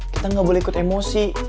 kita nggak boleh ikut emosi